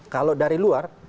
kalau dari luar